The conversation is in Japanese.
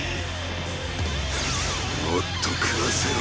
もっと喰わせろ。